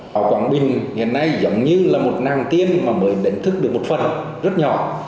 họ quảng bình hiện nay giống như là một nàng tiên mà mới đến thức được một phần rất nhỏ